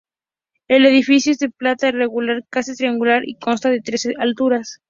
El edificio es de planta irregular casi triangular y consta de tres alturas.